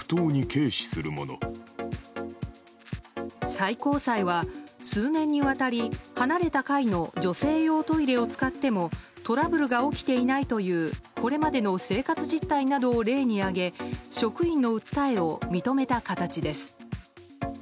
最高裁は数年にわたり、離れた階の女性用トイレを使ってもトラブルが起きていないというこれまでの生活実態などを例に挙げ職員の訴えを認めた形です。